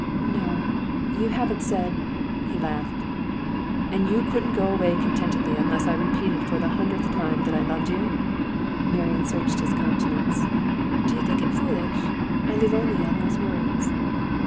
'No. You haven't said ' He laughed. 'And you couldn't go away contentedly unless I repeated for the hundredth time that I love you?' Marian searched his countenance. 'Do you think it foolish? I live only on those words.